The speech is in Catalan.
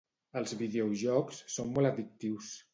Els videojocs són molt addictius